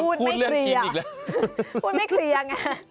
ก็พูดเรื่องกินอีกแล้วกุญไม่เครียง